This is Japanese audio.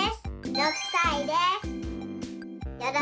６さいです。